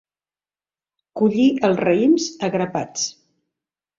Collir els raïms a grapats.